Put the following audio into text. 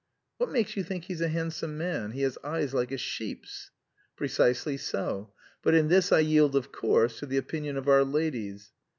"What makes you think he's a handsome man? He has eyes like a sheep's." "Precisely so. But in this I yield, of course, to the opinion of our ladies."